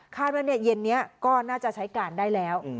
ว่าเย็นนี้ก็น่าจะใช้การได้แล้ว